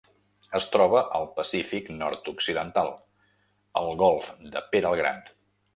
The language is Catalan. Es troba al Pacífic nord-occidental: el golf de Pere el Gran.